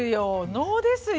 能ですよ。